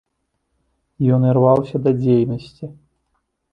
Ён ірваўся да дзейнасці.